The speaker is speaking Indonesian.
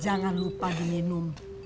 jangan lupa diminum